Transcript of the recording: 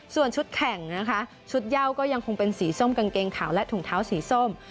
ส่วนชุดแข่งนะคะชุดเย่าก็ยังคงเป็นสีส้มกางเกงขาวและถุงเท้าสีส้ม